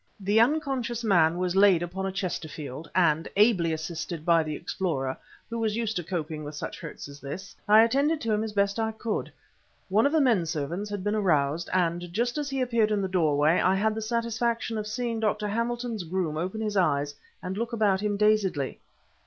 The unconscious man was laid upon a Chesterfield, and, ably assisted by the explorer, who was used to coping with such hurts as this, I attended to him as best I could. One of the men servants had been aroused, and, just as he appeared in the doorway, I had the satisfaction of seeing Dr. Hamilton's groom open his eyes, and look about him, dazedly.